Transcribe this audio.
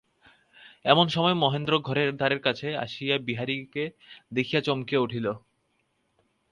এমন সময় মহেন্দ্র ঘরের দ্বারের কাছে আসিয়া বিহারীকে দেখিয়া চমকিয়া উঠিল।